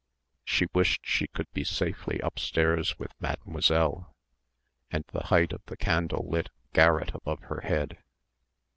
She wished she could be safely upstairs with Mademoiselle and the height of the candle lit garret above her head.